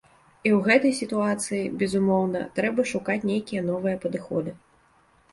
І ў гэтай сітуацыі, безумоўна, трэба шукаць нейкія новыя падыходы.